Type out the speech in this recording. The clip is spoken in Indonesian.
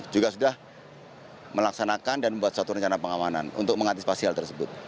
juga sudah melaksanakan dan membuat suatu rencana pengamanan untuk mengantisipasi hal tersebut